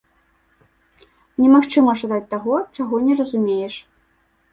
Немагчыма жадаць таго, чаго не разумееш.